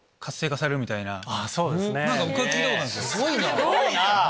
すごいな！